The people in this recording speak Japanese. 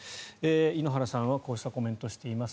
井ノ原さんはこうしたコメントをしています。